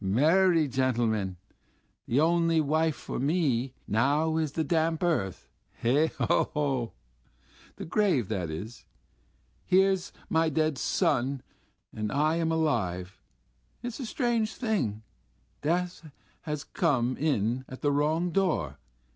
Me er ry gentlemen. The only wife for me now is the damp earth.... He ho ho!.... The grave that is!... Here my son's dead and I am alive.... It's a strange thing, death has come in at the wrong door....